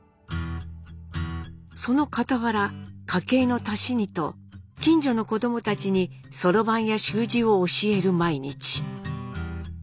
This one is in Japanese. そのかたわら家計の足しにと近所の子どもたちにそろばんや習字を教える毎日。